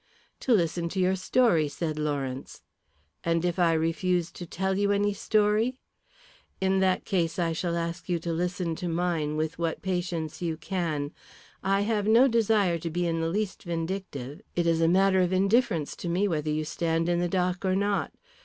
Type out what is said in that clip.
"To listen to your story," said Lawrence. "And if I refuse to tell you any story?" "In that case I shall ask you to listen to mine with what patience you can. I have no desire to be in the least vindictive; it is a matter of indifference to me whether you stand in the dock or not.